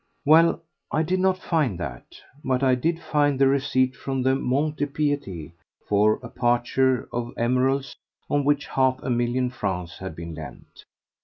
Well, I did not find that, but I did find the receipt from the Mont de Piété for a parure of emeralds on which half a million francs had been lent.